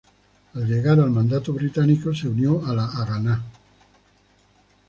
Al llegar al Mandato Británico se unió a la Haganá.